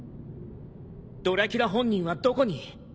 ドラキュラ本人はどこに？